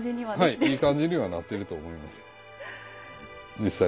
はいいい感じにはなってると思います。